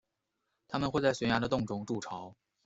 它们会在悬崖的洞中筑巢。